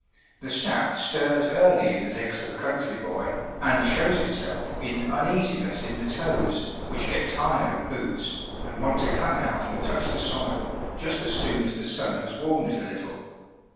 The sap stirs early in the legs of a country boy, and shows itself in uneasiness in the toes, which get tired of boots, and want to come out and touch the soil just as soon as the sun has warmed it a little.